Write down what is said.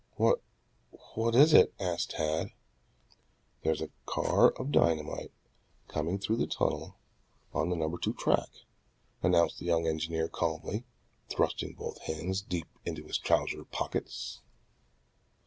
"What, what is it?" asked Tad. "There's a car of dynamite coming through the tunnel on the number two track," announced the young engineer calmly, thrusting both hands deep into his trousers pockets.